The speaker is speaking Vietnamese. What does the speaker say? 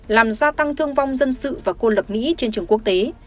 làm gia tăng thương vong dân sự và cô lập mỹ trên trường quốc tế